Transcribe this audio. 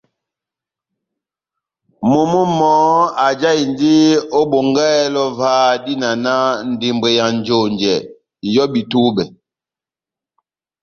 Momó mɔhɔ́ ajáhindi ó Bongáhɛlɛ óvah, dína náh ndembwɛ ya njonjɛ, ŋ’hɔ́bi túbɛ́.